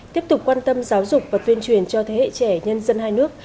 tiếp tục quan tâm giáo dục và tuyên truyền cho thế hệ trẻ nhân dân hai nước